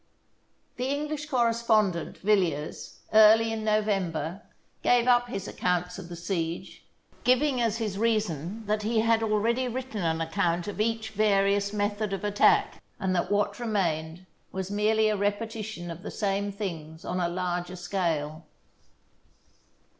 The English correspondent, Villiers, early in November, gave up his accounts of the siege, giv ing as his reason that he had already written an account of each various method of attack, and that what remained was merely a repetition of the same things on a larger scale.